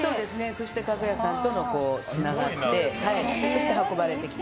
そして家具屋さんともつながってそして運ばれてきて。